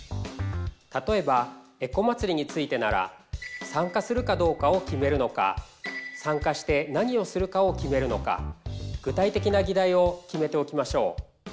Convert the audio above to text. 例えばエコまつりについてなら参加するかどうかを決めるのか参加して何をするかを決めるのか具体的な議題を決めておきましょう。